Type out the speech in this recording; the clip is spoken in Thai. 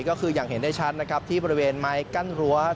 ก็คืออย่างเห็นได้ชั้นนะครับ